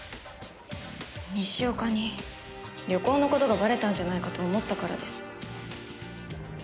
西岡に旅行の事がばれたんじゃないかと思ったからです。